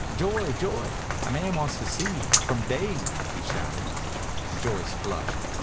"Joy, Joy, a man wants to see you! From Dave!" he shouted. Joyce flushed.